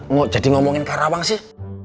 mau jadi ngomongin karawang sih